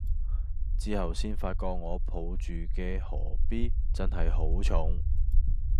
之後先發覺我抱住嘅阿 B 真係好重